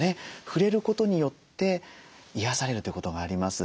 触れることによって癒やされるということがあります。